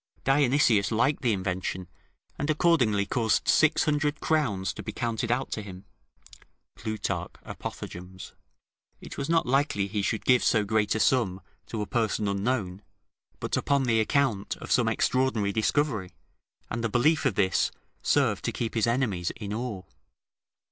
Dionysius liked the invention, and accordingly caused six hundred crowns to be counted out to him. [Plutarch, Apothegms.] It was not likely he should give so great a sum to a person unknown, but upon the account of some extraordinary discovery, and the belief of this served to keep his enemies in awe.